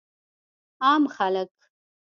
عام خلک